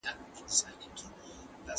منډه د لوبغاړي لخوا وهل کېږي.